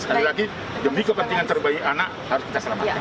sekali lagi demi kepentingan terbaik anak harus kita selamatkan